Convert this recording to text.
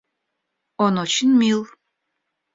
Он очень мил.